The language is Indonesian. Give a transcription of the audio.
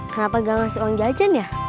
kenapa gak ngasih uang jajan ya